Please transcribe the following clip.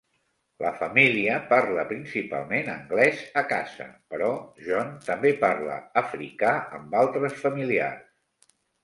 La família parla principalment anglès a casa, però John també parla africà amb altres familiars.